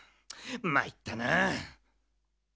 まいったなあ。